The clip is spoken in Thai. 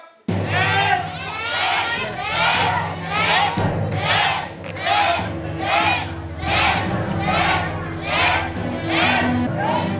เล่น